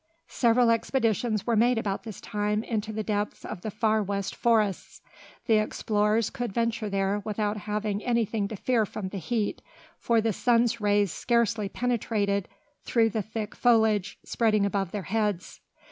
Several expeditions were made about this time into the depths of the Far West Forests. The explorers could venture there without having anything to fear from the heat, for the sun's rays scarcely penetrated through the thick foliage spreading above their heads.